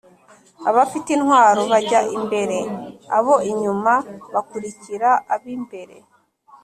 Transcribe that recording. abafite intwaro bajya imbere abo inyuma bakurikira abimbere